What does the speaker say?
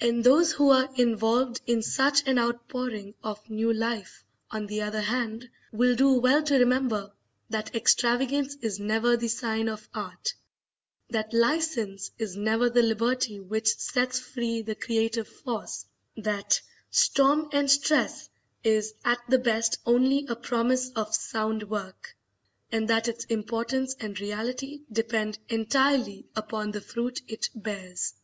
And those who are involved in such an outpouring of new life, on the other hand, will do well to remember that extravagance is never the sign of art; that licence is never the liberty which sets free the creative force; that "storm and stress" is, at the best, only a promise of sound work; and that its importance and reality depend entirely upon the fruit it bears.